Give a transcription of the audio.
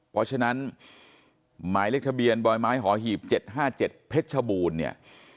เพราะฉะนั้นหมายเลขทะเบียนบรอยไม้หอหีบเจ็ดห้าเจ็ดเพชรบูนเนี้ย